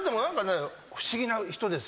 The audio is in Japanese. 不思議な人ですよ。